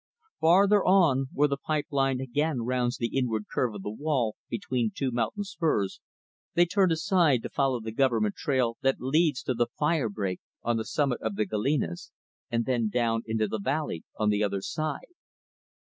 Farther on, where the pipe line again rounds the inward curve of the wall between two mountain spurs, they turned aside to follow the Government trail that leads to the fire break on the summit of the Galenas and then down into the valley on the other side.